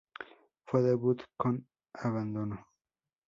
Fue debut con abandono.